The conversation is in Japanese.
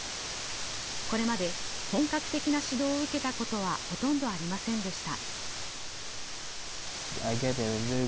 これまで本格的な指導を受けたことはほとんどありませんでした。